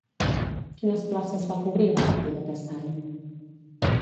Quines places va cobrir, a partir d'aquest any?